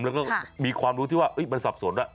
แล้วก็มีความรู้ที่ว่ามันสับสน